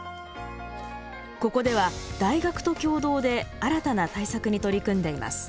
ここでは大学と共同で新たな対策に取り組んでいます。